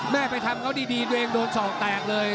แม่ไปทำเขาดีดีเดินโดน๒แตงเลย